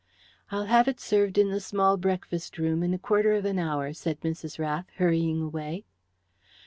"I'll have it served in the small breakfast room in a quarter of an hour," said Mrs. Rath, hurrying away.